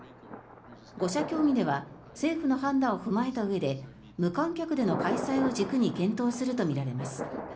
５者協議では政府の判断を踏まえたうえで無観客での開催を軸に検討するとみられます。